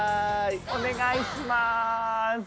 お願いします